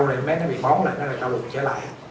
thì em bé nó bị bóng lại nó lại đau bụng trở lại